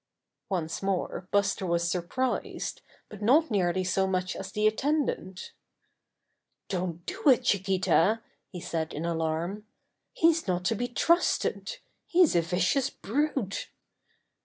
Once more Buster was surprised, but not nearly so much as the attendant. "Don't do it, Chiquita," he said in alarm. "He's not to be trusted. He's a vicious brute."